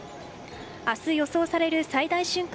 明日予想される最大瞬間